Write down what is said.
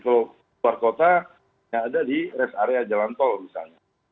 kalau luar kota nggak ada di rest area jalan tol misalnya